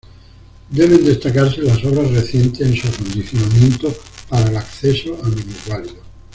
Deben destacarse las obras recientes en su acondicionamiento para el acceso a minusválidos.